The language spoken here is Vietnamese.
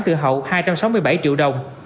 từ hậu hai trăm sáu mươi bảy triệu đồng